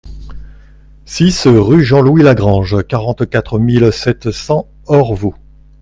six rue Jean-Louis Lagrange, quarante-quatre mille sept cents Orvault